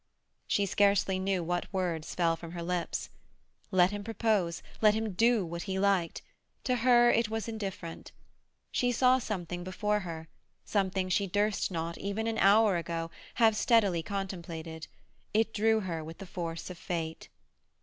She scarcely knew what words fell from her lips. Let him propose, let him do what he liked; to her it was indifferent. She saw something before her—something she durst not, even an hour ago, have steadily contemplated; it drew her with the force of fate.